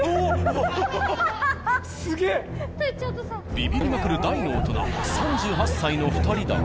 ビビりまくる大の大人３８歳の２人だが。